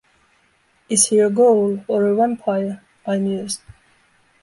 ‘Is he a ghoul or a vampire?’ I mused.